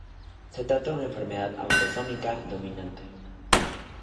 Se trata de una enfermedad autosómica dominante.